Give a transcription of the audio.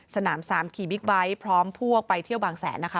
สนามสามขี่บิ๊กไบท์พร้อมพวกไปเที่ยวบางแสนนะคะ